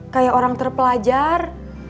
kayak orang terpelajar